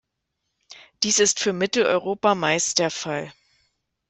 Dies ist für Mitteleuropa meist der Fall.